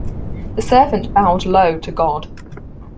The servant bowed low to God.